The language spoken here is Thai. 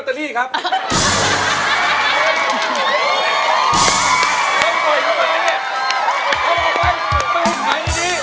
ขายอะไรออกไว้เอาไม่ใช่นี่